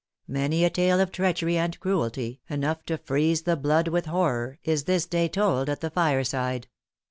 Many a tale of treachery and cruelty, enough to freeze the blood with horror, is this day told at the fireside.